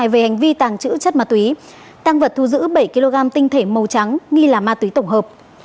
về hành vi tàng trữ chất ma túy tăng vật thu giữ bảy kg tinh thể màu trắng nghi là ma túy tổng hợp